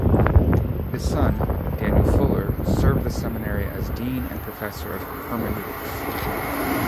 His son, Daniel Fuller, served the seminary as Dean and professor of hermeneutics.